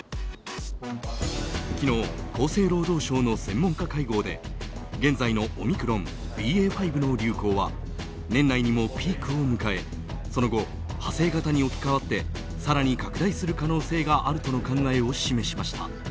昨日、厚生労働省の専門家会合で現在のオミクロンＢＡ．５の流行は年内にもピークを迎えその後、派生型に置き換わって更に拡大する可能性があるとの考えを示しました。